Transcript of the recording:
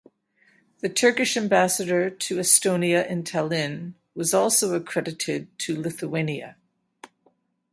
The Turkish ambassador to Estonia in Tallinn was also accredited to Lithuania.